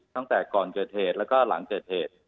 ตั้งแต่ก่อนเกิดเหตุแล้วก็หลังเกิดเหตุ